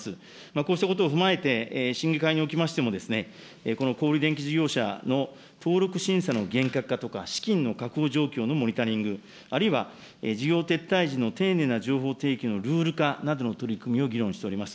こうしたことを踏まえて、審議会におきましても、この小売り電気事業者の登録審査の厳格化とか、資金の確保状況のモニタリング、あるいは事業撤退時の丁寧な情報提供のルール化などの取り組みを議論しております。